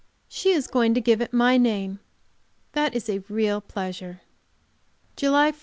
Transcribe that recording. She is going to give it my name. That is a real pleasure. JULY 4.